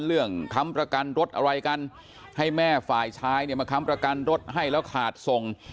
ค้ำประกันรถอะไรกันให้แม่ฝ่ายชายเนี่ยมาค้ำประกันรถให้แล้วขาดส่ง